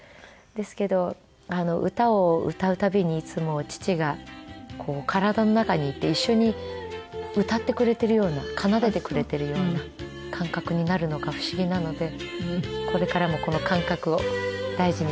ですけど歌を歌う度にいつも父が体の中にいて一緒に歌ってくれているような奏でてくれているような感覚になるのが不思議なので。